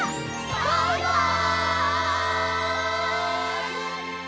バイバイ！